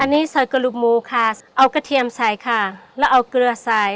อันนี้ใส่กระดูกหมูค่ะเอากระเทียมใส่ค่ะแล้วเอาเกลือใส่